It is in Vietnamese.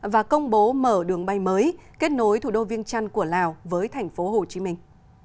và công bố mở đường bay mới kết nối thủ đô viên trăn của lào với thành phố hồ chí minh